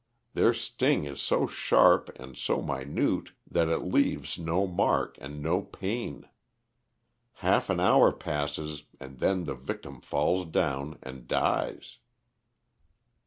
Their sting is so sharp and so minute that it leaves no mark and no pain. Half an hour passes, and then the victim falls down and dies."